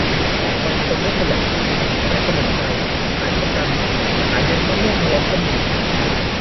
บางคนก็ขยันจัง ขายสมุนไพร ขายประกัน ขายเม็ดมะม่วงบนรถก็มี